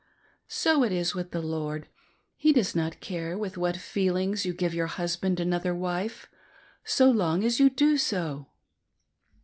So it is with the Lord. He does not care with what feelings you give your husband another wife, so long as you do so."